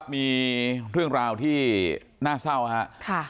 มีเรื่องราวที่น่าเศร้าครับ